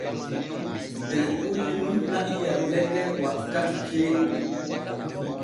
Der ɓulli nun na'i yarnete wankati ceeɗu.